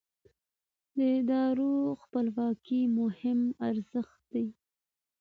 د ادارو خپلواکي مهم ارزښت دی